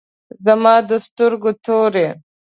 زما د سترګو تور یی